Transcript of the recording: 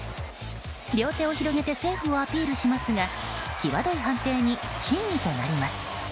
両手を広げてセーフをアピールしますが際どい判定に審議となります。